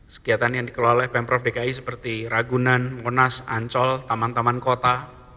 kegiatan yang dikelola oleh pemprov dki seperti ragunan monas ancol taman taman kota